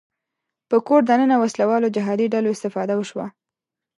په کور دننه وسله والو جهادي ډلو استفاده وشوه